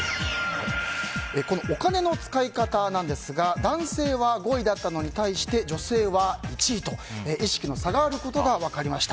お金の使い方ですが男性は５位だったの対し女性は１位と意識の差があることが分かりました。